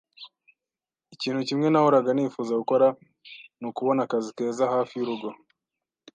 Ikintu kimwe nahoraga nifuza gukora nukubona akazi keza hafi yurugo.